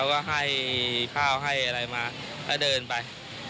ก็ให้ข้าวให้อะไรมาแล้วเดินไป